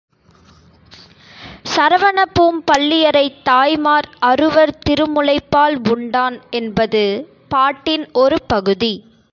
சரவணப்பூம் பள்ளியறைத் தாய்மார் அறுவர் திருமுலைப்பால் உண்டான் என்பது பாட்டின் ஒரு பகுதி.